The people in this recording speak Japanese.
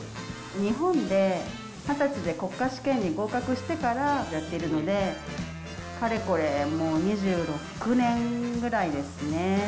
日本で２０歳で国家試験に合格してからやっているので、かれこれもう２６年ぐらいですね。